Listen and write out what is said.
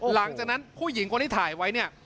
หลังจากนั้นผู้หญิงคนที่ถ่ายไว้เนี่ย